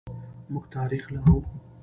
موږ تاریخ لرو.